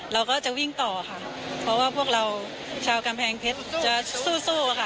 เราก็จะวิ่งต่อค่ะเพราะว่าพวกเราชาวกำแพงเพชรจะสู้สู้ค่ะ